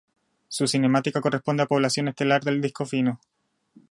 Su cinemática corresponde a población estelar del disco fino.